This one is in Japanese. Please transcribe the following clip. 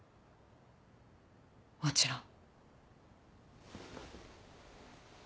もちろん。